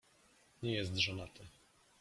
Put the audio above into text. "Nie jest żonaty."